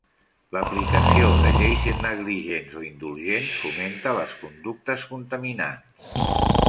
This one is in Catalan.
L'aplicació de lleis negligents o indulgents fomenta les conductes contaminants.